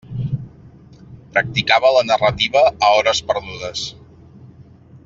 Practicava la narrativa a hores perdudes.